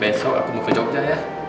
besok aku mau ke jogja ya